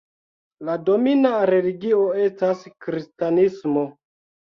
La domina religio estas kristanismo.